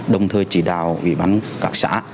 đồng thời chỉ đào quỹ bán các xã